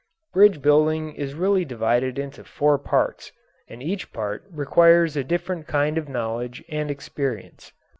Bridge building is really divided into four parts, and each part requires a different kind of knowledge and experience.